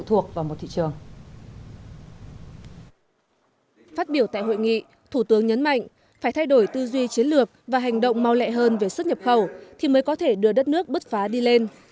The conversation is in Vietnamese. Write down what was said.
thủ tướng nhấn mạnh phải thay đổi tư duy chiến lược và hành động mau lẹ hơn về xuất nhập khẩu thì mới có thể đưa đất nước bứt phá đi lên